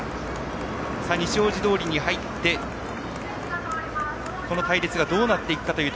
西大路通に入ってこの隊列がどうなっていくか。